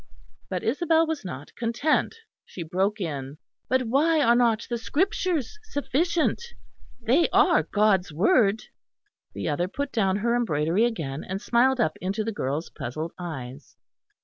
But Isabel was not content. She broke in: "But why are not the Scriptures sufficient? They are God's Word." The other put down her embroidery again, and smiled up into the girl's puzzled eyes.